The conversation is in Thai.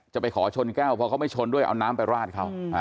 จะไปขอชนแก้วเพราะเขาไม่ชนด้วยเอาน้ำไปราดเขา